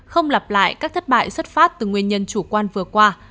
không lặp lại các thất bại xuất phát từ nguyên nhân chủ quan vừa qua